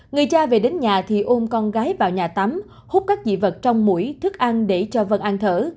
người cha về đến nhà thì ôm con gái vào nhà tắm hút các dị vật trong mũi thức ăn để cho vân ăn thở